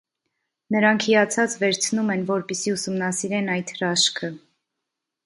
Նրանք հիացած վերցնում են որպեսզի ուսումնասիրեն այդ հրաշքը։